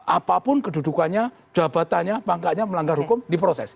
apapun kedudukannya jabatannya pangkanya melanggar hukum diproses